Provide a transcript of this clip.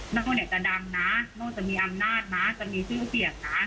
น้องเนี้ยจะดังนะโน้นจะมีอำนาจนะจะมีชื่อเสียงนะ